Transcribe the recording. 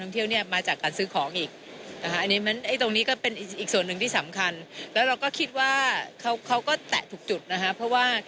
ส่วนหนึ่งที่สำคัญและเราก็คิดว่าเขาก็แตะถูกจุดนะครับเพราะว่า